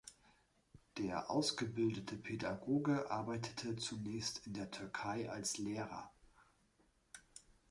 Der ausgebildete Pädagoge arbeitete zunächst in der Türkei als Lehrer.